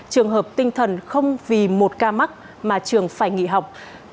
trường hợp tinh thần không vì một ca mắc mà trường phải nghỉ học